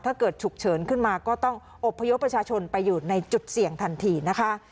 ฉุกเฉินขึ้นมาก็ต้องอบพยพประชาชนไปอยู่ในจุดเสี่ยงทันทีนะคะ